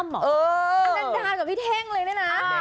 อันนั้นดากับพี่เท่งเลยนะ